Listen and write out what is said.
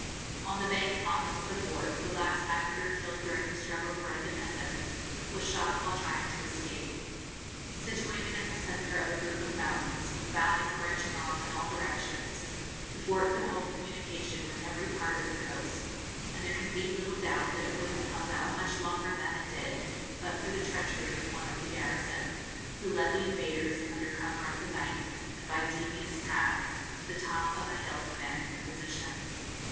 On the bank opposite the fort, the last islander killed during the struggle for independence was shot while trying to escape. Situated in the centre of a group of mountains, with valleys branching off in all directions, the fort could hold communication with every part of the coast, and there can be little doubt that it would have held out much longer than it did, but for the treachery of one of the garrison, who led the invaders, under cover of the night, and by devious paths, to the top of a hill commanding the position.